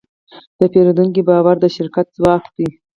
د پیرودونکي باور د شرکت ځواک دی.